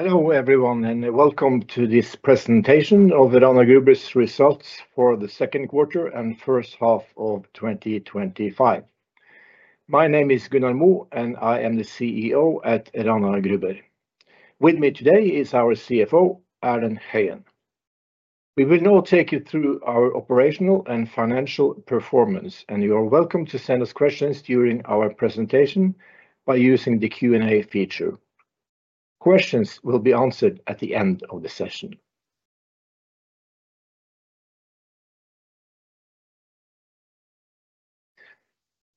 Hello everyone, and welcome to this presentation of Rana Gruber's Results for the Second Quarter and First Half of 2025. My name is Gunnar Moe, and I am the CEO at Rana Gruber. With me today is our CFO, Erlend Høyen. We will now take you through our operational and financial performance, and you are welcome to send us questions during our presentation by using the Q&A feature. Questions will be answered at the end of the session.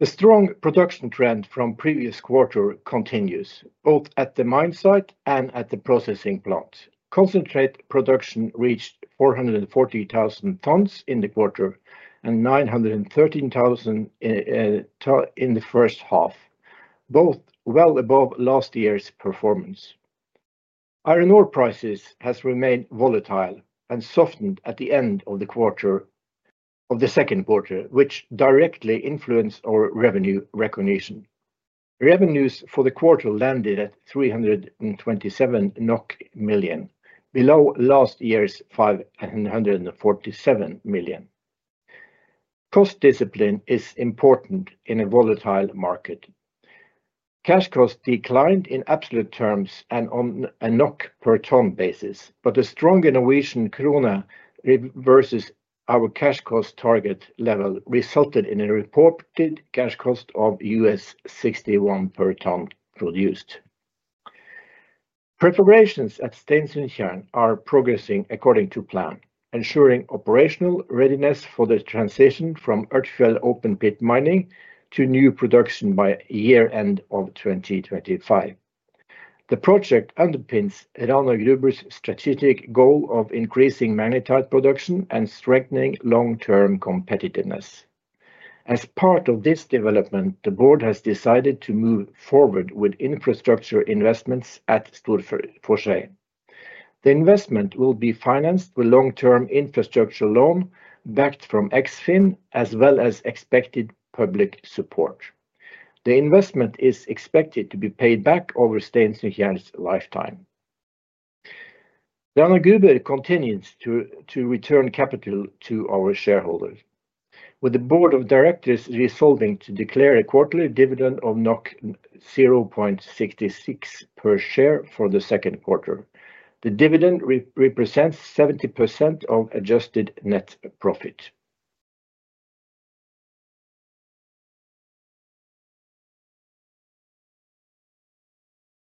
The strong production trend from the previous quarter continues, both at the mine site and at the processing plant. Concentrate production reached 440,000 tons in the quarter and 913,000 tons in the first half, both well above last year's performance. Iron ore prices have remained volatile and softened at the end of the second quarter, which directly influenced our revenue recognition. Revenues for the quarter landed at 327 million NOK, below last year's 547 million. Cost discipline is important in a volatile market. Cash costs declined in absolute terms and on a NOK per tonne basis, but the stronger Norwegian krone versus our cash cost target level resulted in a reported cash cost of $61 per tonne produced. Perforations at Stensundtjern are progressing according to plan, ensuring operational readiness for the transition from Ørtfjell open pit mining to new production by year-end of 2025. The project underpins Rana Gruber's strategic goal of increasing magnetite production and strengthening long-term competitiveness. As part of this development, the board has decided to move forward with infrastructure investments at Storforshei. The investment will be financed with a long-term infrastructure loan backed from Eksfin, as well as expected public support. The investment is expected to be paid back over Stensundtjern's lifetime. Rana Gruber continues to return capital to our shareholders, with the board of directors resolving to declare a quarterly dividend of 0.66 per share for the second quarter. The dividend represents 70% of adjusted net profit.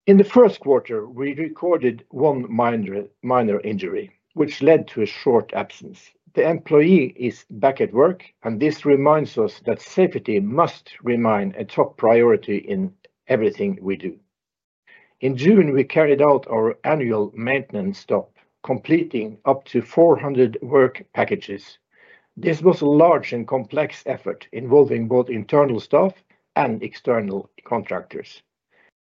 In the first quarter, we recorded one minor injury, which led to a short absence. The employee is back at work, and this reminds us that safety must remain a top priority in everything we do. In June, we carried out our annual maintenance stop, completing up to 400 work packages. This was a large and complex effort involving both internal staff and external contractors.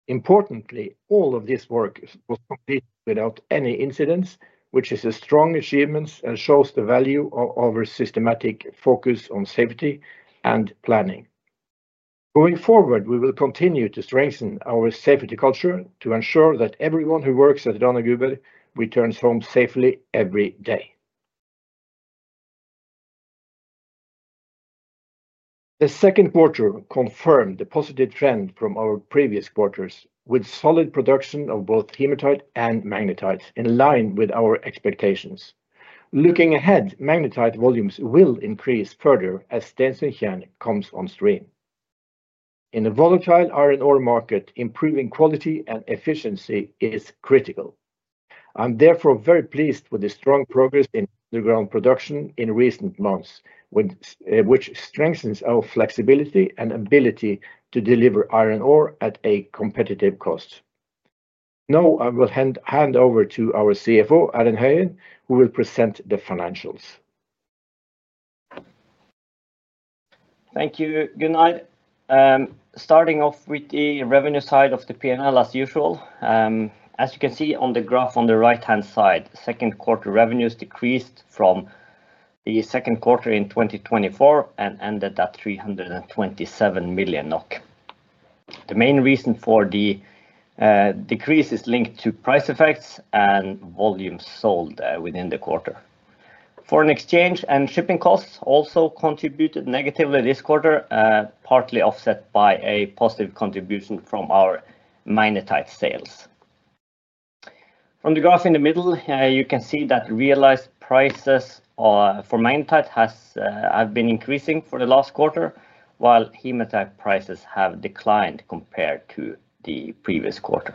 Importantly, all of this work was completed without any incidents, which is a strong achievement and shows the value of our systematic focus on safety and planning. Going forward, we will continue to strengthen our safety culture to ensure that everyone who works at Rana Gruber returns home safely every day. The second quarter confirmed the positive trend from our previous quarters, with solid production of both hematite and magnetite in line with our expectations. Looking ahead, magnetite volumes will increase further as Stensundtjern comes on stream. In a volatile iron ore market, improving quality and efficiency is critical. I'm therefore very pleased with the strong progress in underground production in recent months, which strengthens our flexibility and ability to deliver iron ore at a competitive cost. Now, I will hand over to our CFO, Erlend Høyen, who will present the financials. Thank you, Gunnar. Starting off with the revenue side of the P&L, as usual. As you can see on the graph on the right-hand side, second quarter revenues decreased from the second quarter in 2024 and ended at 327 million NOK. The main reason for the decrease is linked to price effects and volumes sold within the quarter. Foreign exchange and shipping costs also contributed negatively this quarter, partly offset by a positive contribution from our magnetite sales. On the graph in the middle, you can see that realized prices for magnetite have been increasing for the last quarter, while hematite prices have declined compared to the previous quarter.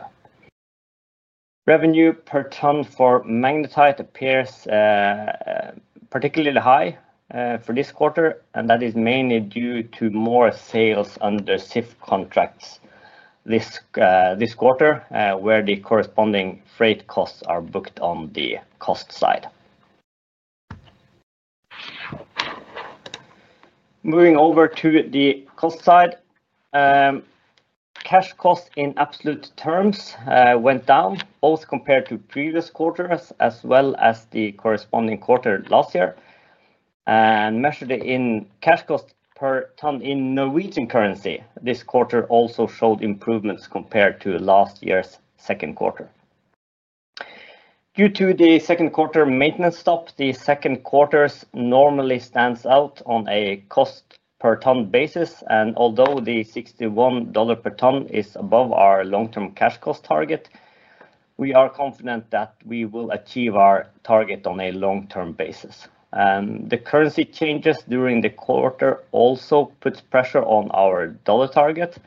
Revenue per tonne for magnetite appears particularly high for this quarter, and that is mainly due to more sales under SIF contracts this quarter, where the corresponding freight costs are booked on the cost side. Moving over to the cost side, cash costs in absolute terms went down, both compared to previous quarters as well as the corresponding quarter last year. Measured in cash costs per tonne in Norwegian currency, this quarter also showed improvements compared to last year's second quarter. Due to the second quarter maintenance job, the second quarter normally stands out on a cost per tonne basis, and although the $61 per tonne is above our long-term cash cost target, we are confident that we will achieve our target on a long-term basis. The currency changes during the quarter also put pressure on our dollar target,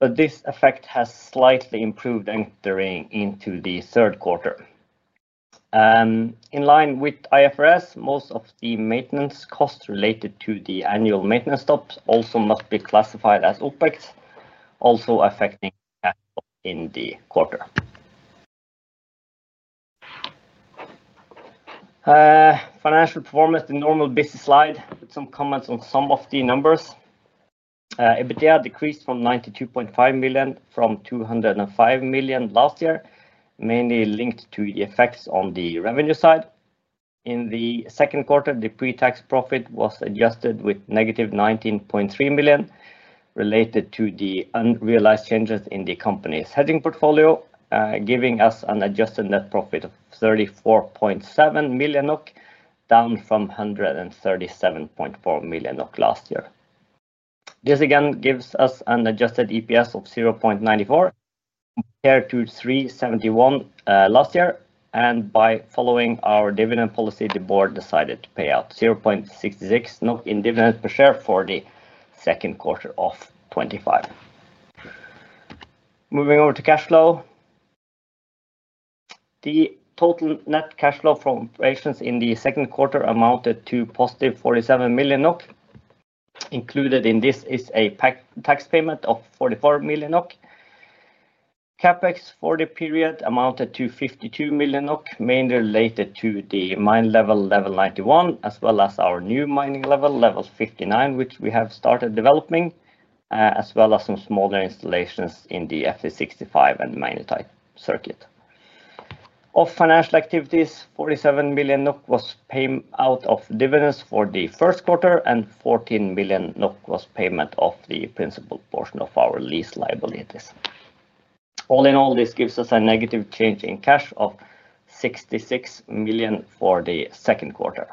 but this effect has slightly improved entering into the third quarter. In line with IFRS, most of the maintenance costs related to the annual maintenance jobs also must be classified as OpEx, also affecting capital in the quarter. Financial performance in normal business slide with some comments on some of the numbers. EBITDA decreased from [NOK 205 million last year to NOK 92.5 million], mainly linked to the effects on the revenue side. In the second quarter, the pre-tax profit was adjusted with -19.3 million, related to the unrealized changes in the company's hedging portfolio, giving us an adjusted net profit of 34.7 million NOK, down from 137.4 million NOK last year. This again gives us an adjusted EPS of 0.94 compared to 3.71 last year, and by following our dividend policy, the board decided to pay out 0.66 NOK in dividend per share for the second quarter of 2025. Moving over to cash flow, the total net cash flow from operations in the second quarter amounted to +47 million NOK. Included in this is a tax payment of 44 million NOK. CapEx for the period amounted to 52 million NOK, mainly related to the mine Level 91, as well as our new mining Level 59, which we have started developing, as well as some smaller installations in the Fe65 and magnetite circuit. Of financial activities, 47 million NOK was payment out of dividends for the first quarter, and 14 million NOK was payment of the principal portion of our lease liabilities. All in all, this gives us a negative change in cash of 66 million for the second quarter.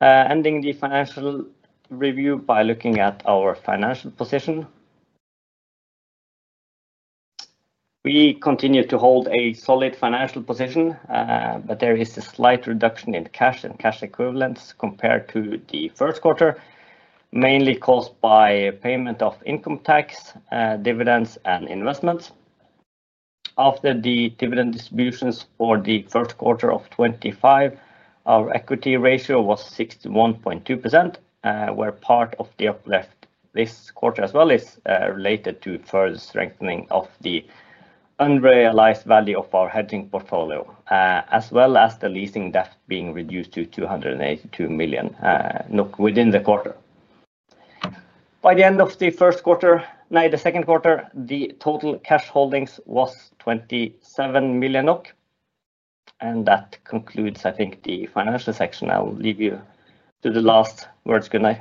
Ending the financial review by looking at our financial position. We continue to hold a solid financial position, but there is a slight reduction in cash and cash equivalents compared to the first quarter, mainly caused by payment of income tax, dividends, and investments. After the dividend distributions for the first quarter of 2025, our equity ratio was 61.2%, where part of the uplift this quarter as well is related to further strengthening of the unrealized value of our hedging portfolio, as well as the leasing debt being reduced to 282 million within the quarter. By the end of the first quarter, neither second quarter, the total cash holdings was 27 million NOK, and that concludes, I think, the financial section. I will leave you to the last words, Gunnar.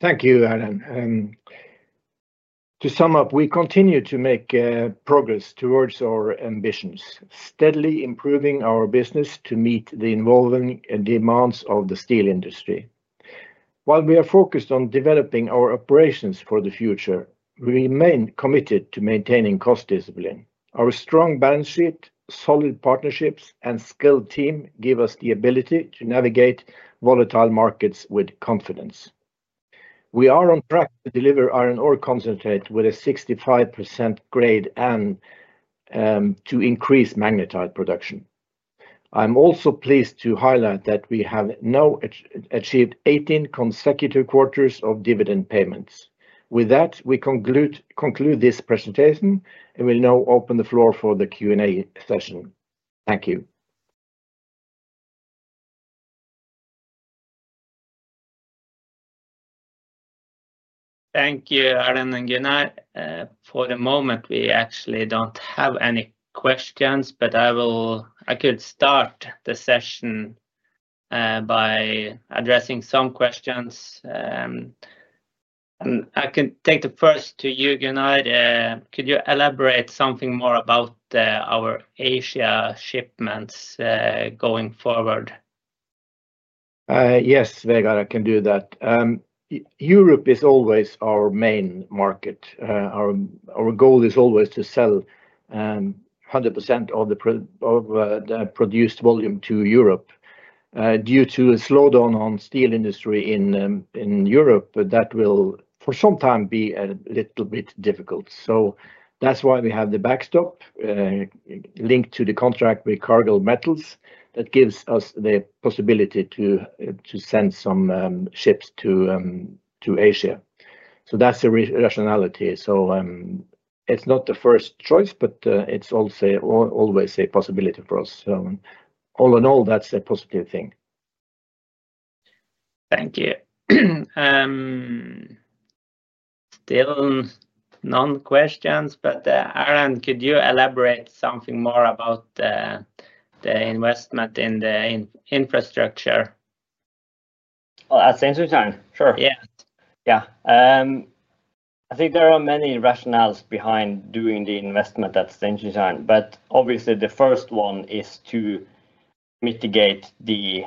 Thank you, Erlend. To sum up, we continue to make progress towards our ambitions, steadily improving our business to meet the evolving demands of the steel industry. While we are focused on developing our operations for the future, we remain committed to maintaining cost discipline. Our strong balance sheet, solid partnerships, and skilled team give us the ability to navigate volatile markets with confidence. We are on track to deliver iron ore concentrate with a 65% grade and to increase magnetite production. I'm also pleased to highlight that we have now achieved 18 consecutive quarters of dividend payments. With that, we conclude this presentation and will now open the floor for the Q&A session. Thank you. Thank you, Erlend and Gunnar. For the moment, we actually don't have any questions, but I could start the session by addressing some questions. I can take the first to you, Gunnar. Could you elaborate something more about our Asia shipments going forward? Yes, Vegard, I can do that. Europe is always our main market. Our goal is always to sell 100% of the produced volume to Europe. Due to the slowdown in the steel industry in Europe, that will for some time be a little bit difficult. That's why we have the backstop linked to the contract with Cargill Metals. That gives us the possibility to send some ships to Asia. That's the rationality. It's not the first choice, but it's also always a possibility for us. All in all, that's a positive thing. Thank you. Still no questions, but Erlend, could you elaborate something more about the investment in the infrastructure? At Stensundtjern? Sure. Yeah. Yeah. I think there are many rationales behind doing the investment at Stensundtjern, but obviously the first one is to mitigate the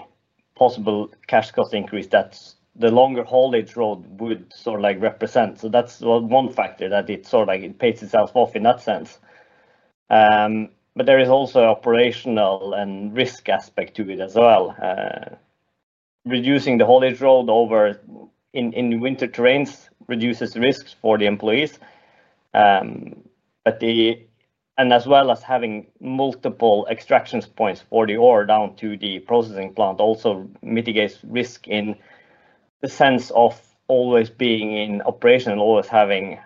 possible cash cost increase that the longer haulage road would sort of like represent. That's one factor that it sort of like pays itself off in that sense. There is also an operational and risk aspect to it as well. Reducing the haulage road over in winter terrains reduces risks for the employees, as well as having multiple extraction points for the ore down to the processing plant also mitigates risk in the sense of always being in operation and always having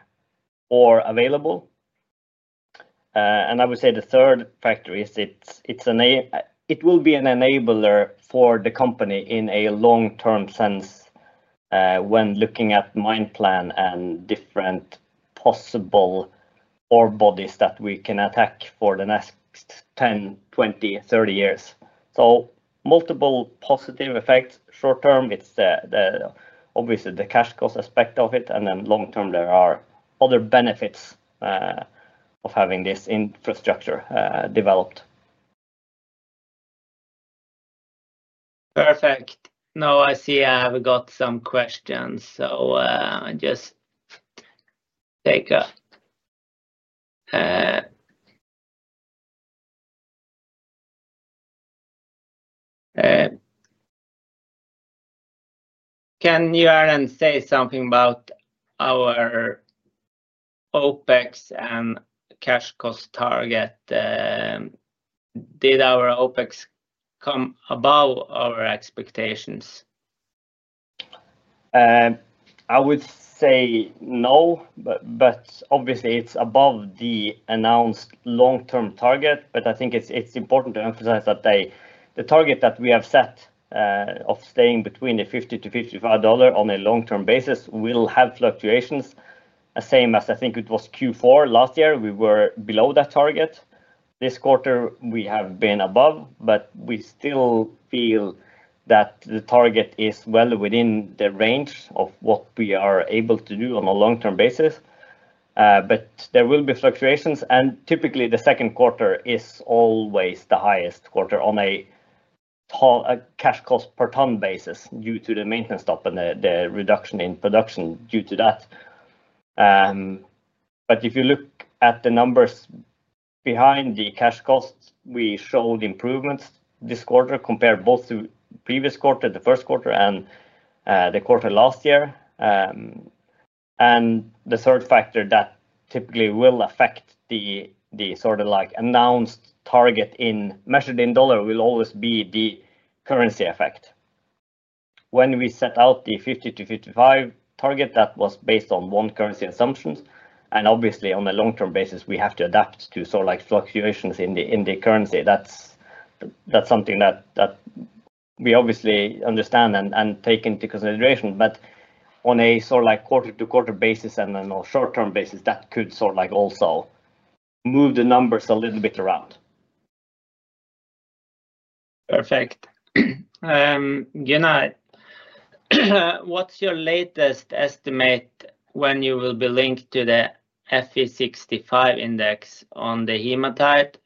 ore available. I would say the third factor is it will be an enabler for the company in a long-term sense when looking at the mine plan and different possible ore bodies that we can attack for the next 10, 20, 30 years. Multiple positive effects. Short term, it's obviously the cash cost aspect of it, and then long term, there are other benefits of having this infrastructure developed. Perfect. Now I see I've got some questions, so I'll just take a... Can you, Erlend, say something about our OpEx and cash cost target? Did our OpEx come above our expectations? I would say no, but obviously it's above the announced long-term target. I think it's important to emphasize that the target that we have set of staying between the $50-$55 on a long-term basis will have fluctuations. Same as I think it was Q4 last year, we were below that target. This quarter, we have been above, but we still feel that the target is well within the range of what we are able to do on a long-term basis. There will be fluctuations, and typically the second quarter is always the highest quarter on a cash cost per tonne basis due to the maintenance job and the reduction in production due to that. If you look at the numbers behind the cash costs, we showed improvements this quarter compared both to the previous quarter, the first quarter, and the quarter last year. The third factor that typically will affect the sort of like announced target measured in dollar will always be the currency effect. When we set out the $50-$55 target, that was based on one currency assumption, and obviously on a long-term basis, we have to adapt to sort of like fluctuations in the currency. That's something that we obviously understand and take into consideration. On a sort of like quarter-to-quarter basis and then on a short-term basis, that could sort of like also move the numbers a little bit around. Perfect. Gunnar, what's your latest estimate when you will be linked to the Fe65 index on the hematite?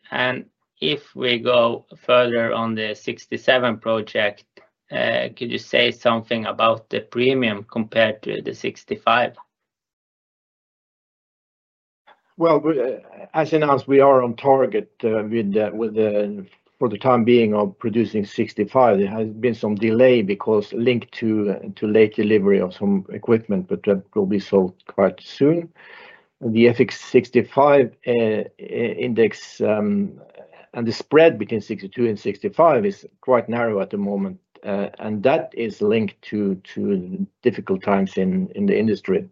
If we go further on the Fe67 project, could you say something about the premium compared to the Fe65? As announced, we are on target with, for the time being, producing Fe65. There has been some delay because it's linked to late delivery of some equipment, but that will be solved quite soon. The Fe65 index and the spread between [Fe62-Fe65] is quite narrow at the moment, and that is linked to difficult times in the industry.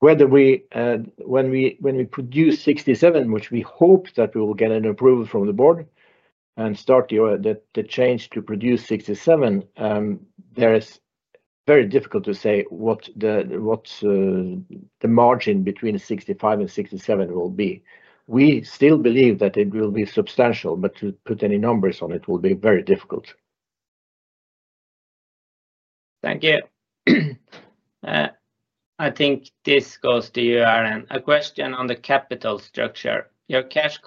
When we produce Fe67, which we hope that we will get an approval from the board and start the change to produce Fe67, it's very difficult to say what the margin between [Fe65-Fe67] will be. We still believe that it will be substantial, but to put any numbers on it will be very difficult. Thank you. I think this goes to you, Erlend. A question on the capital structure. Your cash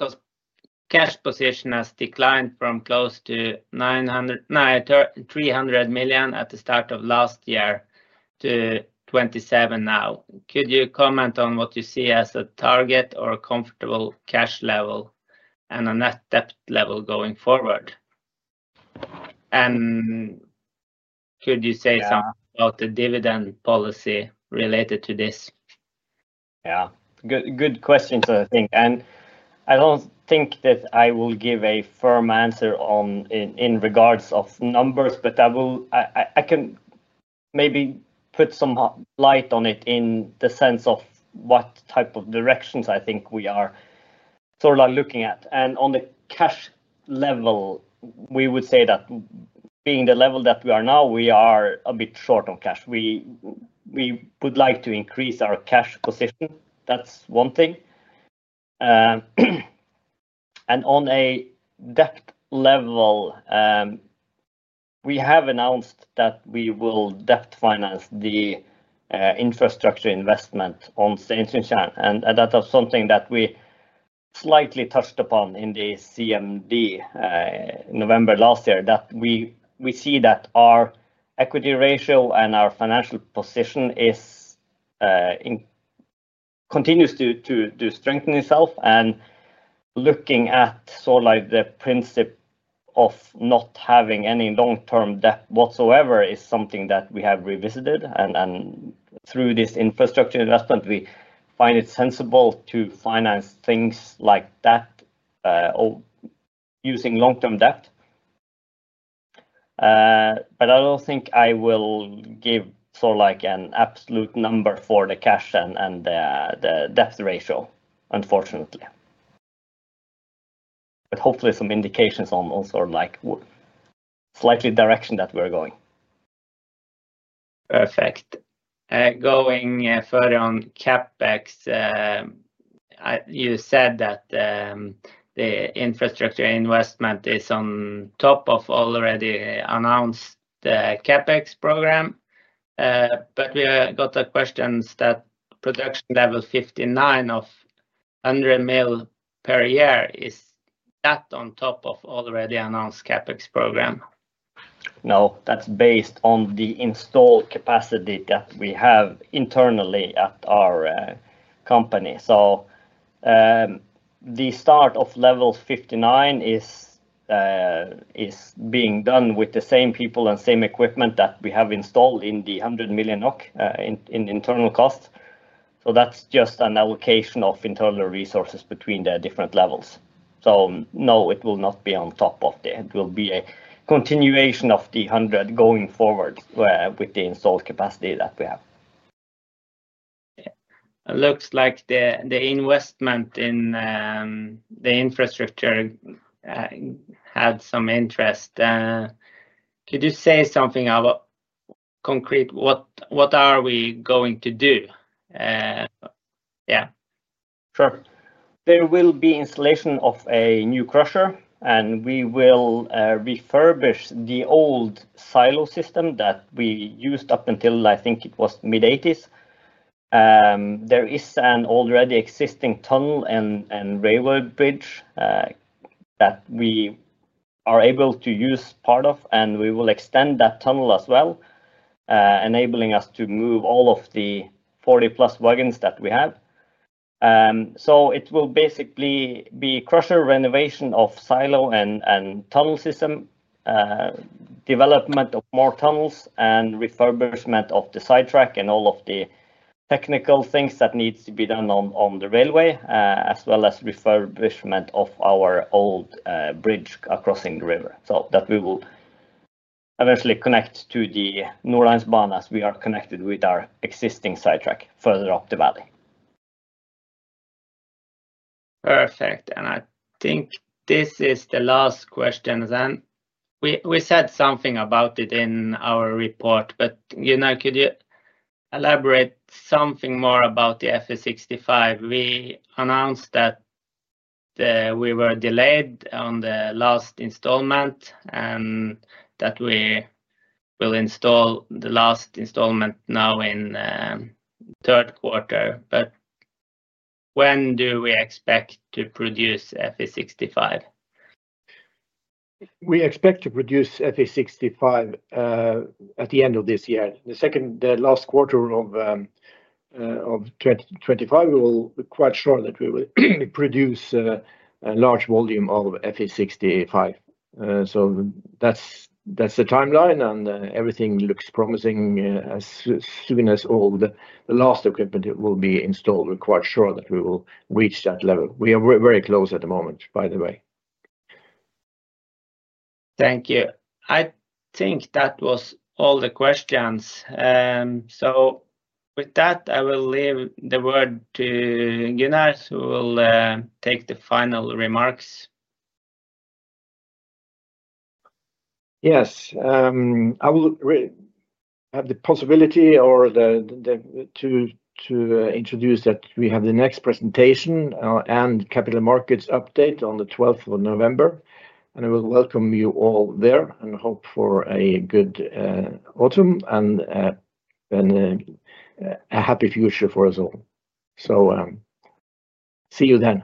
position has declined from close to 300 million at the start of last year to 27 million now. Could you comment on what you see as a target or a comfortable cash level and a net debt level going forward? Could you say something about the dividend policy related to this? Good questions, I think. I don't think that I will give a firm answer in regards to numbers, but I can maybe put some light on it in the sense of what type of directions I think we are sort of looking at. On the cash level, we would say that being the level that we are now, we are a bit short of cash. We would like to increase our cash position. That's one thing. On a debt level, we have announced that we will debt finance the infrastructure investment on Stensundtjern. That was something that we slightly touched upon in the CMD in November last year, that we see that our equity ratio and our financial position continues to strengthen itself. Looking at the principle of not having any long-term debt whatsoever is something that we have revisited. Through this infrastructure investment, we find it sensible to finance things like that using long-term debt. I don't think I will give an absolute number for the cash and the debt ratio, unfortunately. Hopefully, some indications on the direction that we're going. Perfect. Going further on CapEx, you said that the infrastructure investment is on top of already announced CapEx program. We got the questions that production Level 59 of $100 million per year, is that on top of already announced CapEx program? No, that's based on the installed capacity that we have internally at our company. The start of Level 59 is being done with the same people and same equipment that we have installed in the 100 million NOK in internal costs. That's just an allocation of internal resources between the different levels. No, it will not be on top of the... It will be a continuation of the [100 million] going forward with the installed capacity that we have. It looks like the investment in the infrastructure had some interest. Could you say something about concrete? What are we going to do? There will be installation of a new crusher, and we will refurbish the old silo system that we used up until, I think it was mid-1980s. There is an already existing tunnel and railway bridge that we are able to use part of, and we will extend that tunnel as well, enabling us to move all of the 40+ wagons that we have. It will basically be crusher renovation of silo and tunnel system, development of more tunnels, and refurbishment of the sidetrack and all of the technical things that need to be done on the railway, as well as refurbishment of our old bridge crossing the river. That way we will eventually connect to the Nordlandsbanen as we are connected with our existing sidetrack further up the valley. Perfect. I think this is the last question then. We said something about it in our report, but Gunnar, could you elaborate something more about the Fe65? We announced that we were delayed on the last installment and that we will install the last installment now in the third quarter. When do we expect to produce Fe65? We expect to produce Fe65 at the end of this year. In the second last quarter of 2025, we will be quite sure that we will produce a large volume of Fe65. That is the timeline, and everything looks promising. As soon as all the last equipment will be installed, we're quite sure that we will reach that level. We are very close at the moment, by the way. Thank you. I think that was all the questions. With that, I will leave the word to Gunnar, who will take the final remarks. Yes, I will have the possibility to introduce that we have the next presentation and capital markets update on the 12th of November. I will welcome you all there and hope for a good autumn and a happy future for us all. See you then.